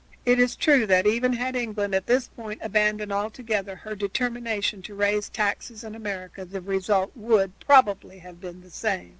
It is true that even had England at this point abandoned altogether her determination to raise taxes in America the result would probably have been the same.